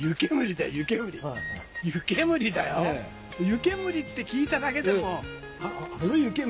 湯煙って聞いただけでもあの湯煙